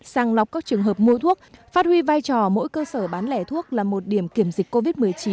sàng lọc các trường hợp mua thuốc phát huy vai trò mỗi cơ sở bán lẻ thuốc là một điểm kiểm dịch covid một mươi chín